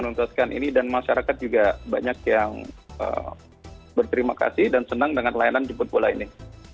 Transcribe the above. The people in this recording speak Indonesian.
menuntaskan ini dan masyarakat juga banyak yang berterima kasih dan senang dengan layanan jemput bola ini